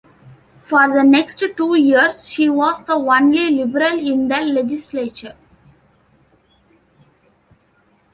For the next two years, she was the only Liberal in the legislature.